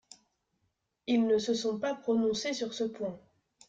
Ils ne se sont pas prononcés sur ce point.